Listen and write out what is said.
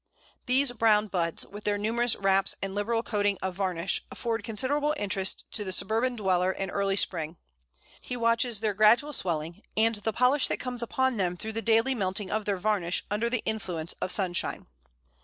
These brown buds, with their numerous wraps and liberal coating of varnish, afford considerable interest to the suburban dweller in early spring. He watches their gradual swelling, and the polish that comes upon them through the daily melting of their varnish under the influence of sunshine.